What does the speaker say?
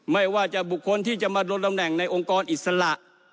ไม่ว่าจะบุคคลที่จะมาลงตำแหน่งในองค์กรอิสระ